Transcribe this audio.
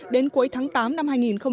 đến cuối tháng tám năm hai nghìn một mươi chín